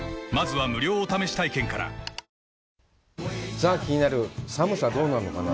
さあ気になる寒さはどうなのかな？